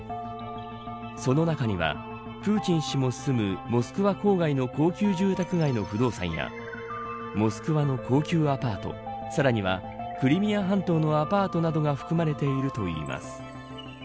その中には、プーチン氏も住むモスクワ郊外の高級住宅街の不動産やモスクワの高級アパートさらにはクリミア半島のアパートなどが含まれているといいます。